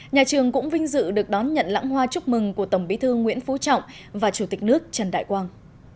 nhà trường cũng vinh dự được đón nhận lãng hoa chúc mừng của tổng bí thư nguyễn phú trọng và chủ tịch nước trần đại quang